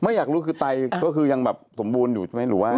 ไม่อยากรู้คือตายก็คือยังแบบสมบูรณ์อยู่ใช่ไหม